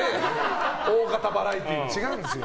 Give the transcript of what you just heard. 大型バラエティーと違うんですよ。